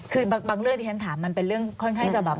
คือบางเรื่องที่ฉันถามมันเป็นเรื่องค่อนข้างจะแบบ